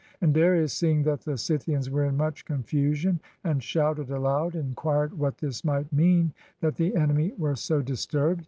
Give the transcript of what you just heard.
And Darius, seeing that the Scythians were in much confusion and shouted aloud, inquired what this might mean that the enemy were so disturbed.